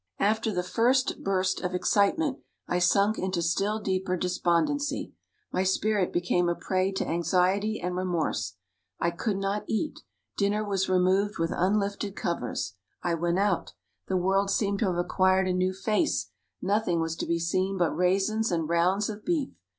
After the first burst of excitement, I sunk into still deeper despondency. My spirit became a prey to anxiety and remorse. I could not eat; dinner was removed with unlifted covers. I went out. The world seemed to have acquired a new face; nothing was to be seen but raisins and rounds of beef.